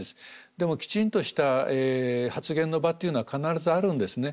でもきちんとした発言の場というのは必ずあるんですね。